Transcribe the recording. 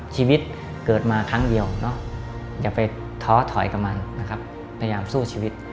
ชีวิตเกิดมาครั้งเดียวเนาะอย่าไปท้อถอยกับมันนะครับพยายามสู้ชีวิต